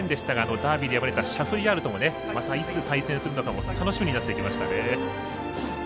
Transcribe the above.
ダービーで敗れたシャフリヤールともまたいつ対戦するのか楽しみになってきましたね。